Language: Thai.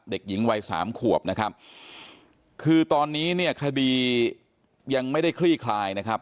เด็กหญิงวัยสามขวบนะครับคือตอนนี้เนี่ยคดียังไม่ได้คลี่คลายนะครับ